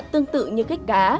tương tự như kích cá